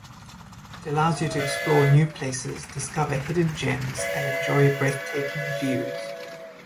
It allows you to explore new places, discover hidden gems, and enjoy breathtaking views.